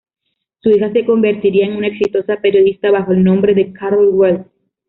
Su hija se convertiría en una exitosa periodista bajo el nombre de Carol Weld.